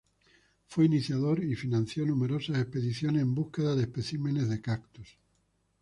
Fue iniciador y financió numerosas expediciones en búsqueda de especímenes de cactus.